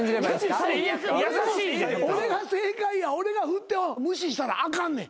俺が正解や俺が振って無視したらあかんねん。